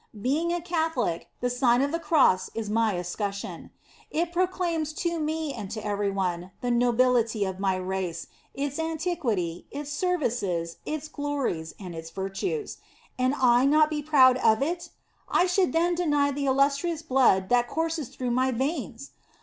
Being a Catholic, the Sign of the Cross is my escutcheon. It proclaims to me and to every one, the nobility of my race, its anti quity, its services, its glories and its virtues. And I not be proud of it! I should then deny the illustrious blood that courses through my veins!